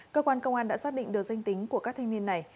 cơ quan công an đã xác định được danh tính của các thanh niên này